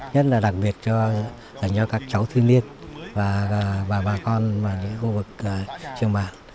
nhất là đặc biệt cho các cháu thư niên và bà con vào những khu vực trường mạng